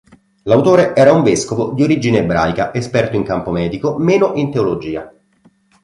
L'autore era un vescovo di origine ebraica, esperto in campo medico, meno in teologia.